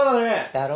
だろ？